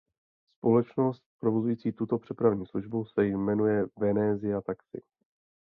Společnost provozující tuto přepravní službu se jmenuje Venezia Taxi.